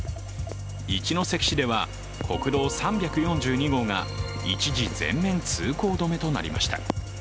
一関市では国道３４２号が一時、全面通行止めとなりました。